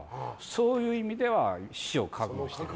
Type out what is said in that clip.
そういう意味では死を覚悟してる。